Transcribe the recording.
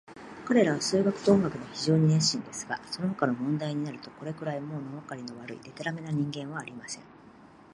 彼等は数学と音楽には非常に熱心ですが、そのほかの問題になると、これくらい、ものわかりの悪い、でたらめな人間はありません。